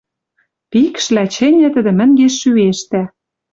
Пикшлӓ чӹньӹ тӹдӹ мӹнгеш шӱэштӓ.